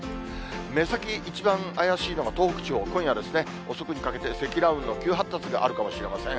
目先、一番怪しいのが東北地方、今夜遅くにかけて積乱雲の急発達があるかもしれません。